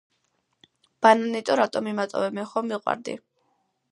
ბანანიტო რატო მიმატოვე მე ხომ მიყვარდი